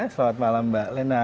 selamat malam mbak lena